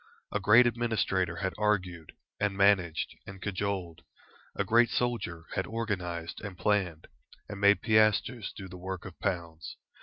A great administrator had argued, and managed, and cajoled; a great soldier had organised and planned, and made piastres do the work of pounds.